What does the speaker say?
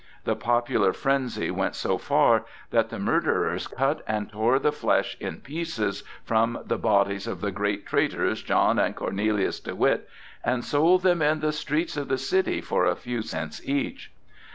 The popular frenzy went so far that the murderers cut and tore the flesh in pieces from the bodies of "the great traitors, John and Cornelius de Witt," and sold them in the streets of the city for a few cents each.